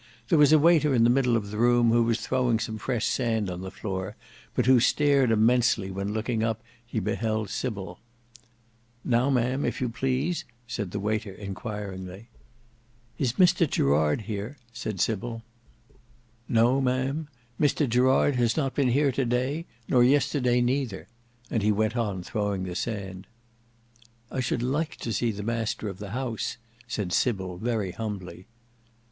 There was a waiter in the middle of the room who was throwing some fresh sand upon the floor, but who stared immensely when looking up he beheld Sybil. "Now, Ma'am, if you please," said the waiter inquiringly. "Is Mr Gerard here?" said Sybil. "No. Ma'am; Mr Gerard has not been here to day, nor yesterday neither"—and he went on throwing the sand. "I should like to see the master of the house," said Sybil very humbly.